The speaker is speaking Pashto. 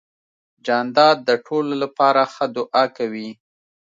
جانداد د ټولو لپاره ښه دعا کوي.